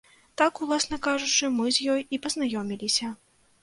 Так, уласна кажучы, мы з ёй і пазнаёміліся.